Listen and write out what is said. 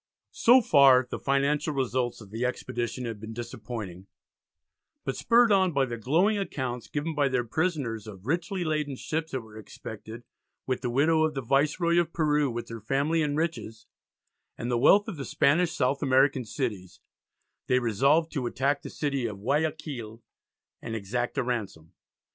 So far the financial results of the expedition had been disappointing, but spurred on by the glowing accounts given by their prisoners of richly laden ships that were expected with the "widow of the Viceroy of Peru with her family and riches," and the wealth of the Spanish South American cities, they resolved to attack the city of Guiaquil, and exact a ransom.